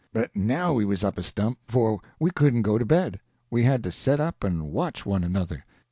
"But now we was up a stump, for we couldn't go to bed. We had to set up and watch one another.